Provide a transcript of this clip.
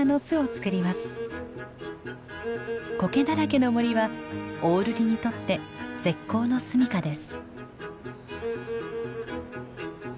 コケだらけの森はオオルリにとって絶好の住みかです。